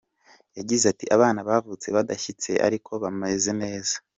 Yagize ati “Abana bavutse badashyitse ariko bameze neza.